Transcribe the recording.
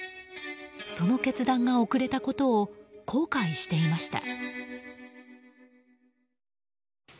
その決断が遅れたことを後悔していました。